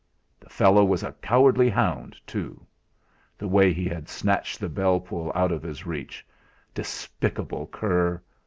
The fellow was a cowardly hound, too! The way he had snatched the bell pull out of his reach despicable cur!